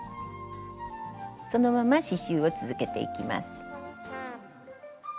そのまま刺しゅうを続けていきます。